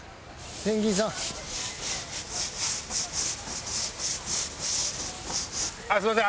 ペンギンさん！あっすみません！